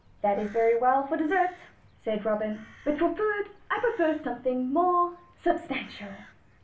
"That's very well for dessert," said Robin; "but for food I prefer something more substantial."